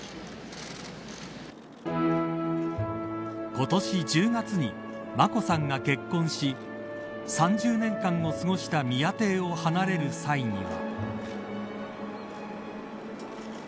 今年１０月に眞子さんが結婚し３０年間を過ごした宮邸を離れる際には。